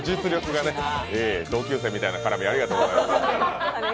同級生みたいな絡みありがとうございます。